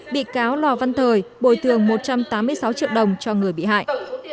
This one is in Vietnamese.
bị cáo lò văn thời bồi thường một trăm tám mươi sáu triệu đồng cho người bị hại